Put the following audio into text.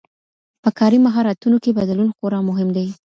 په کاري مهارتونو کي بدلون خورا مهم دی.